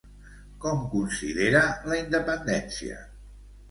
Com considera la independència?